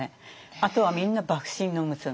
あとはみんな幕臣の娘。